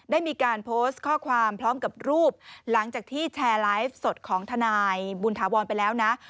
ได้มีการโพสต์ข้อความพร้อมกับรูปหลังจากที่แชร์ไลฟ์สดของทนายบุญถาวรไปแล้วนะ